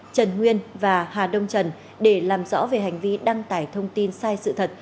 trần nguyên và hà đông trần để làm rõ về hành vi đăng tải thông tin sai sự thật